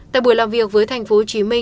tại buổi làm việc với tp hcm